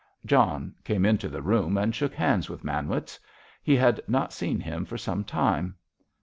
John came into the room and shook hands with Manwitz. He had not seen him for some time.